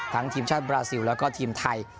ทีมชาติบราซิลแล้วก็ทีมไทย